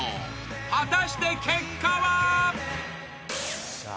［果たして結果は］ああ。